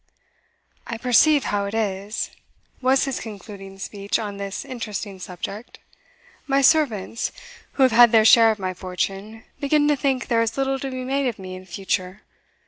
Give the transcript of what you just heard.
"I perceive how it is," was his concluding speech on this interesting subject, "my servants, who have had their share of my fortune, begin to think there is little to be made of me in future.